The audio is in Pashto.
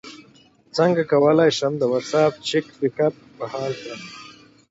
څنګه کولی شم د واټساپ چټ بیک اپ بحال کړم